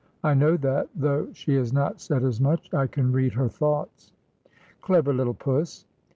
I know that, though she has not said as much. I can read her thoughts.' ' Clever little puss.